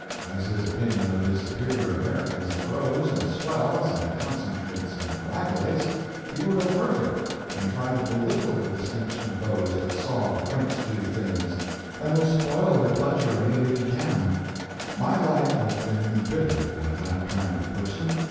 As his opinion of his superior Americanism grows, and swells, and concentrates and coagulates, he will go further and try to belittle the distinction of those that saw the Prince do things, and will spoil their pleasure in it if he can. My life has been embittered by that kind of person.